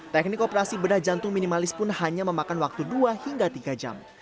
teknik operasi bedah jantung minimalis pun hanya memakan waktu dua hingga tiga jam